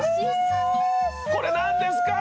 これ何ですか？